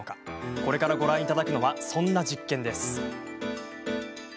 これからご覧いただくのはそんな実験です。